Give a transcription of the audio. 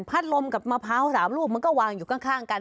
ลมกับมะพร้าว๓ลูกมันก็วางอยู่ข้างกัน